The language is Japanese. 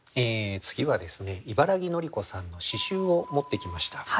次は茨木のり子さんの詩集を持ってきました。